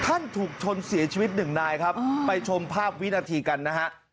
ถูกชนเสียชีวิตหนึ่งนายครับไปชมภาพวินาทีกันนะฮะ